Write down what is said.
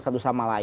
satu sama lain